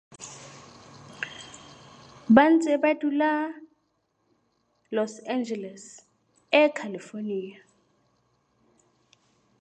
They currently reside in Los Angeles, California.